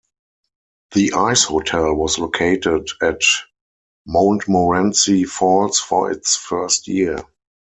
The Ice Hotel was located at Montmorency Falls for its first year.